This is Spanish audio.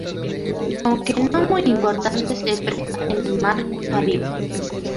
Aunque no muy importante, se pesca en el Mar Caribe.